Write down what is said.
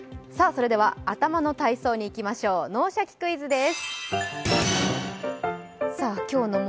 それでは頭の体操にいきましょう、「脳シャキ！クイズ」です。